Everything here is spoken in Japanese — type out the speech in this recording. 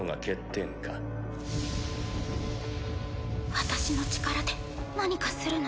私の力で何かするの？